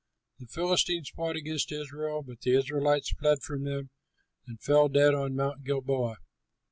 The Philistines fought against Israel, but the Israelites fled from them and fell dead on Mount Gilboa.